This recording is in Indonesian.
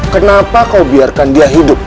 kenapa kau biarkan dia hidup